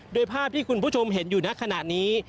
โดยภาพที่คุณผู้ชมเห็นอยู่ในขณะนี้